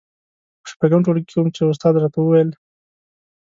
په شپږم ټولګي کې وم چې يوه استاد راته وويل.